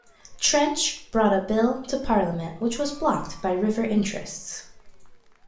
Trench brought a bill to Parliament which was blocked by river interests.